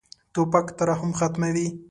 توپک ترحم ختموي.